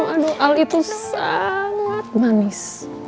aduh al itu sangat manis